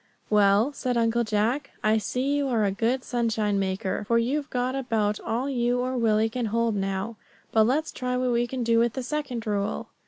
"Well," said Uncle Jack, "I see you are a good sunshine maker, for you've got about all you or Willie can hold now. But let's try what we can do with the second rule."